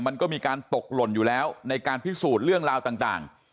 มันก็มีการตกหล่นอยู่แล้วในการพิสูจน์เรื่องราวต่าง